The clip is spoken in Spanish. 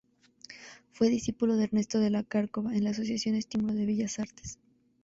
Fue discípulo de Ernesto de la Cárcova en la Asociación Estímulo de Bellas Artes.